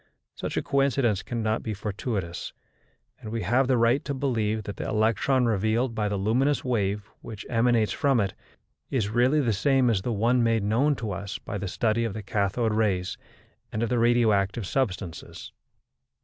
Such a coincidence cannot be fortuitous, and we have the right to believe that the electron revealed by the luminous wave which emanates from it, is really the same as the one made known to us by the study of the cathode rays and of the radioactive substances.